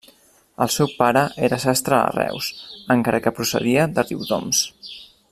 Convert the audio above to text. El seu pare era sastre a Reus, encara que procedia de Riudoms.